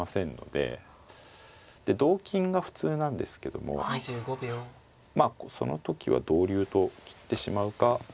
同金が普通なんですけどもまあその時は同竜と切ってしまうかまあ